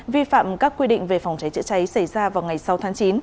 vi phạm các quy định về phòng cháy chữa cháy xảy ra vào ngày sáu tháng chín